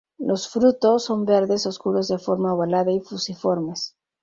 Los frutos son verdes oscuros de forma ovalada y fusiformes.